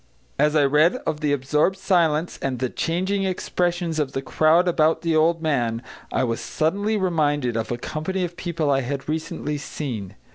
As I read of the absorbed silence and the changing expressions of the crowd about the old man, I was suddenly reminded of a company of people I had recently seen.